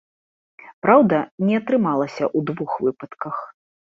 Праўда, не атрымалася ў двух выпадках.